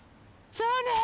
そうね。